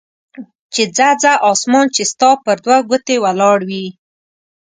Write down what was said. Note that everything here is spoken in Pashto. چې ځه ځه اسمان چې ستا پر دوه ګوتې ولاړ وي.